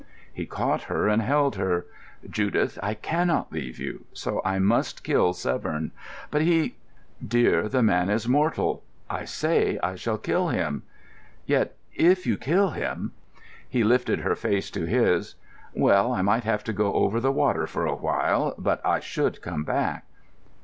He caught her and held her. "Judith, I cannot leave you. So I must kill Severn." "But he——" "Dear, the man is mortal. I say, I shall kill him." "Yet, if you kill him——" He lifted her face to his. "Well, I might have to go over the water for a while. But I should come back."